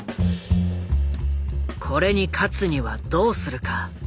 これに勝つにはどうするか。